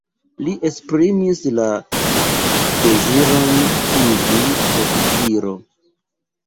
Li esprimis la deziron iĝi oficiro.